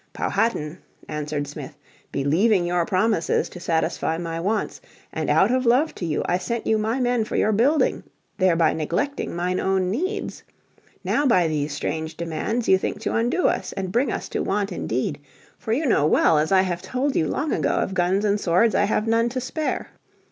"Powhatan," answered Smith, "believing your promises to satisfy my wants, and out of love to you I sent you my men for your building, thereby neglecting mine own needs. Now by these strange demands you think to undo us and bring us to want indeed. For you know well as I have told you long ago of guns and swords I have none to spare.